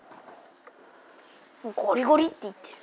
ゴリゴリっていってる。